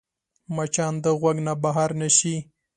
مچان د غوږ نه بهر نه شي